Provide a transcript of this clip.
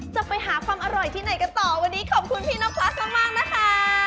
จะไปหาความอร่อยที่ไหนกันต่อวันนี้ขอบคุณพี่นกพลัสมากนะคะ